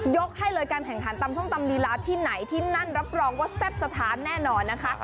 ให้เลยการแข่งขันตำส้มตำลีลาที่ไหนที่นั่นรับรองว่าแซ่บสถานแน่นอนนะคะ